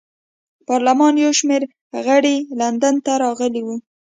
پارلمان یو شمېر غړي لندن ته راغلي وو.